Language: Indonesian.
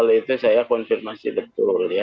kalau itu saya konfirmasi betul ya